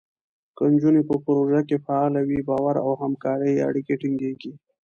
که نجونې په پروژو کې فعاله وي، باور او همکارۍ اړیکې ټینګېږي.